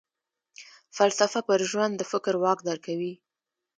فلسفه پر ژوند د فکر واک درکوي.